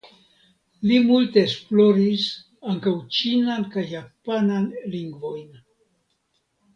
Li multe esploris ankaŭ ĉinan kaj japanan lingvojn.